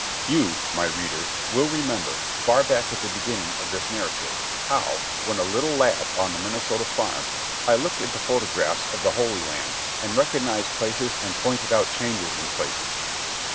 You, my reader, will remember, far back at the beginning of this narrative, how, when a little lad on the Minnesota farm, I looked at the photographs of the Holy Land and recognized places and pointed out changes in places.